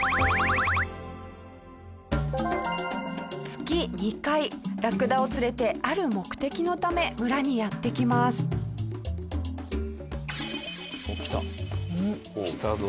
月２回ラクダを連れてある目的のため村にやって来ます。来た。来たぞ。